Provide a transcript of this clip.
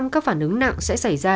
các phản ứng nặng sẽ xảy ra